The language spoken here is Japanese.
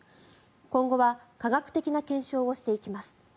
今後は科学的な検証をしていきます。